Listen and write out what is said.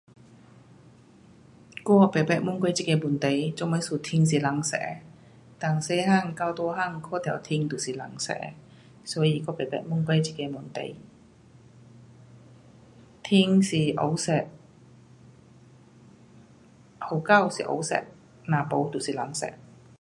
我没曾问过这个问题天做么事天是蓝色的，dan 小汉到大汉看到天都是蓝色的，所以我不曾问过这个问题。天是黑色，雨到是黑色，若没就是蓝色。